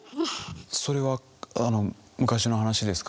それは昔の話ですか？